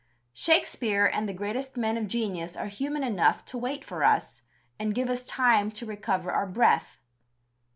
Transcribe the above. Shakespeare and the greatest men of genius are human enough to wait for us, and give us time to recover our breath.